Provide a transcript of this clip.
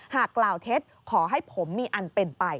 หากกล่าวเท็จขอให้ผมมีอันเป็นไป